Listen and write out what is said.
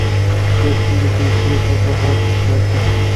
دوی خپلې پیسې په بهر کې ساتي.